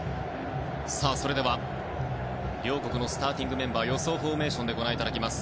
それでは両国のスターティングメンバー予想フォーメーションでご覧いただきます。